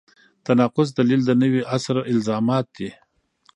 تناقض دلیل د نوي عصر الزامات دي.